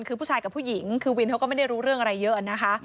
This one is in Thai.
คือผู้ชายกับผู้หญิงคือวินเขาก็ไม่ได้รู้เรื่องอะไรเยอะนะคะ